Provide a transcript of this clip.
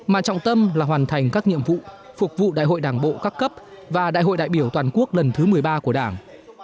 mà trọng tâm là hoàn thành các nhiệm vụ phục vụ đại hội đảng bộ các cấp và đại hội đại biểu toàn quốc lần thứ một mươi ba của đảng